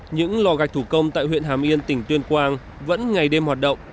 những lò gạch thủ công tại huyện hàm yên tỉnh tuyên quang vẫn ngày đêm hoạt động